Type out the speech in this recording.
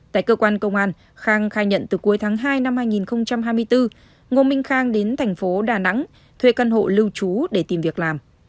tại cơ quan công an khang khai nhận từ cuối tháng hai năm hai nghìn hai mươi bốn ngô minh khang đến thành phố đà nẵng thuê căn hộ lưu trú để tìm việc làm